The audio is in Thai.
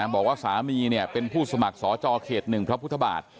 บอกว่าสามีเป็นผู้สมัครสอจอเขต๑พระพุทธบาท